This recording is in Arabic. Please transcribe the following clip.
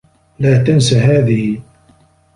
لا تنس هذه.